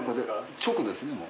直ですねもう。